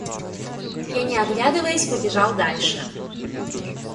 Я, не оглядываясь, побежал дальше.